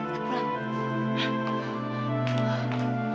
aku ingin mengam seribu sembilan ratus delapan puluh sembilan